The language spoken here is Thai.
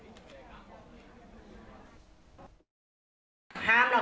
ถามหรอกเขาไม่ฟังเสียใจจริงจริง